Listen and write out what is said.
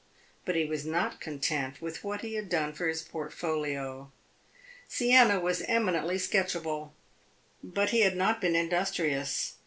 But he was not content with what he had done for his portfolio. Siena was eminently sketchable, but he had not been industrious.